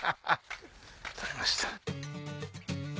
採れました。